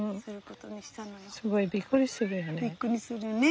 すごいびっくりするよね。